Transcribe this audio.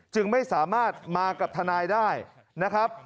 จึงไม่สามารถมากับทนายได้นะครับ